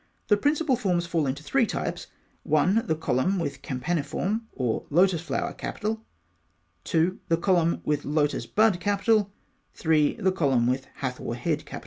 The principal forms fall into three types: (1) the column with campaniform, or lotus flower capital; (2) the column with lotus bud capital; (3) the column with Hathor head capital.